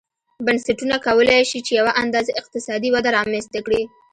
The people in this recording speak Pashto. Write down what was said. بنسټونه کولای شي چې یوه اندازه اقتصادي وده رامنځته کړي.